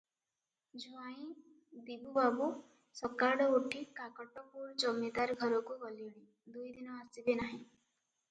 ଜୁଆଇଁ ଦିବୁବାବୁ ସକାଳୁ ଉଠି କାକଟପୁର ଜମିଦାର ଘରକୁ ଗଲେଣି, ଦୁଇ ଦିନ ଆସିବେ ନାହିଁ ।